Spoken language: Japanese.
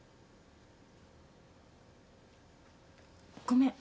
ごめん。